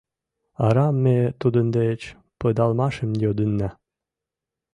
Арам ме тудын деч пыдалмашым йодынна!